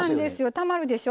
たまるでしょ？